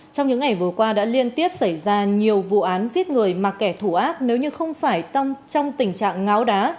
trong những ngày vừa qua đã liên tiếp xảy ra nhiều vụ án giết người mà kẻ thủ ác nếu như không phải tông trong tình trạng ngáo đá